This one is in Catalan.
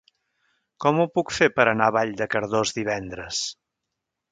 Com ho puc fer per anar a Vall de Cardós divendres?